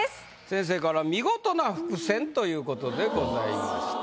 先生から「見事な伏線！」ということでございました。